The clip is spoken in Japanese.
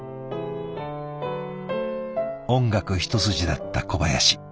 音楽一筋だった小林。